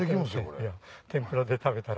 天ぷらで食べたら。